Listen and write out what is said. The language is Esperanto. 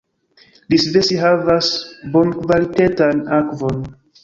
Iisvesi havas bonkvalitetan akvon.